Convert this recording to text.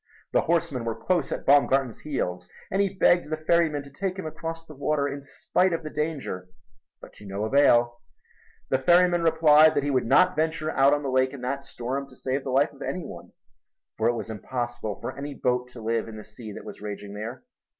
The horsemen were close at Baumgarten's heels, and he begged the ferryman to take him across the water in spite of the danger, but to no avail. The ferryman replied that he would not venture out on the lake in that storm to save the life of any one, for it was impossible for any boat to live in the sea that was raging there.